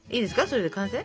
それで完成？